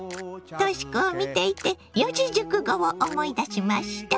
とし子を見ていて四字熟語を思い出しました。